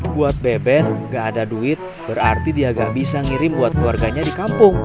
buat beben gak ada duit berarti dia gak bisa ngirim buat keluarganya di kampung